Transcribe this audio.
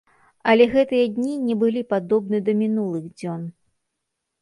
Але гэтыя дні не былі падобны да мінулых дзён.